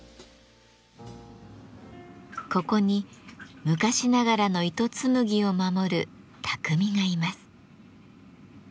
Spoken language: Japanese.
ここに昔ながらの糸紡ぎを守る匠がいます。